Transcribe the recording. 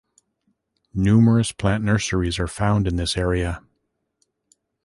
Numerous plant nurseries are found in this area.